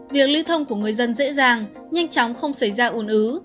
việc lưu thông của người dân dễ dàng nhanh chóng không xảy ra ủn ứ